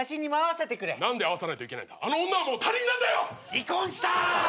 離婚した！